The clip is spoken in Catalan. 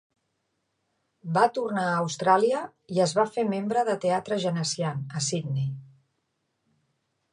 Va tornar a Austràlia i es va fer membre del teatre Genesian, a Sidney.